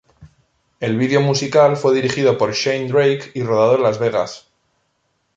El video musical fue dirigido por Shane Drake y rodado en Las Vegas.